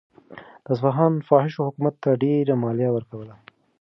د اصفهان فاحشو حکومت ته ډېره مالیه ورکوله.